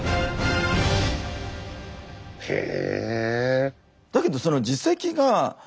へえ。